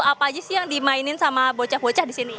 apa aja sih yang dimainin sama bocah bocah di sini